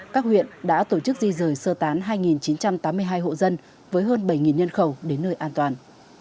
các huyện đã tổ chức di rời sơ tán hai chín trăm tám mươi hai hộ dân với hơn bảy nhân khẩu đến nơi an toàn